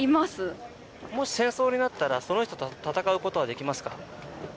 もし戦争になったらその人と戦うことはできますか？